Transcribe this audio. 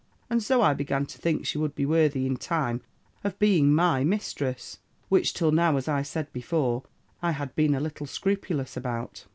And so I began to think she would be worthy in time of being my mistress, which, till now, as I said before, I had been a little scrupulous about.